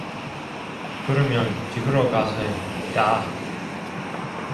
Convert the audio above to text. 그러면 집으로 가세, 가.